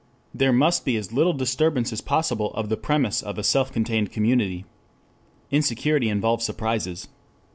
There must be as little disturbance as possible of the premise of a self contained community. Insecurity involves surprises.